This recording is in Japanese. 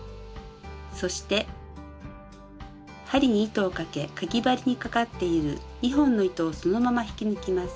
そして針に糸をかけかぎ針にかかっている２本の糸をそのまま引き抜きます。